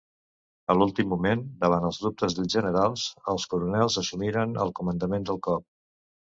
A l'últim moment, davant els dubtes dels generals, els Coronels assumiren el comandament del cop.